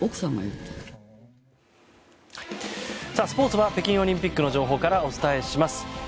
スポーツは北京オリンピックの情報からお伝えします。